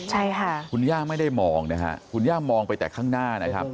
ใช่ค่ะคุณย่าไม่ได้มองนะฮะคุณย่ามองไปแต่ข้างหน้านะครับ